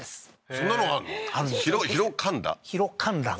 そんなのがあんの？